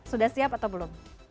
sudah siap atau belum